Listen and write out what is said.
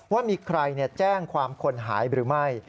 ว่ามีใครแจ้งความคนหายหรือไม่